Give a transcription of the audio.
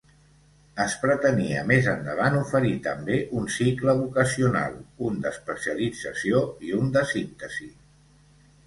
Es pretenia, més endavant, oferir també un cicle vocacional, un d'especialització i un de síntesi.